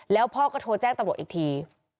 แล้วพ่อก็โทรแจ้งตำรวจอีกที